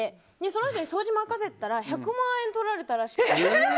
その人に掃除を任せてたら１００万円とられたらしくて。